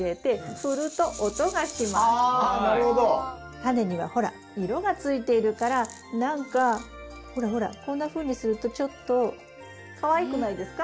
タネにはほら色がついているから何かほらほらこんなふうにするとちょっとかわいくないですか？